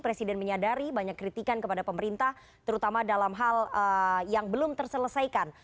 presiden menyadari banyak kritikan kepada pemerintah terutama dalam hal yang belum terselesaikan